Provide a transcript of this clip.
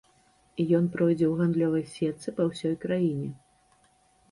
Ён пройдзе ў гандлёвай сетцы па ўсёй краіне.